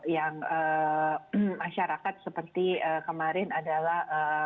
yang masyarakat seperti kemarin adalah